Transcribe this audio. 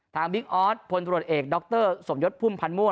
บิ๊กออสพลตรวจเอกดรสมยศพุ่มพันธ์มั่ว